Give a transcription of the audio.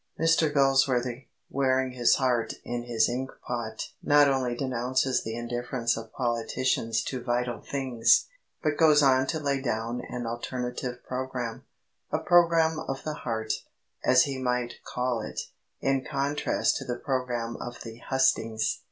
Mr Galsworthy, wearing his heart in his ink pot not only denounces the indifference of politicians to vital things, but goes on to lay down an alternative programme a programme of the heart, as he might call it, in contrast to the programme of the hustings.